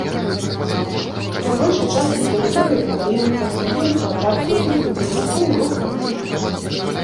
На большай частцы тэрыторыі краіны прагназуюцца ападкі ў выглядзе дажджу і мокрага снегу.